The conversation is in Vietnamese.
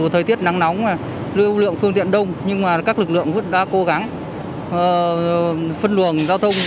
thời tiết nắng nóng lưu lượng phương tiện đông nhưng các lực lượng vẫn đã cố gắng phân luồng giao thông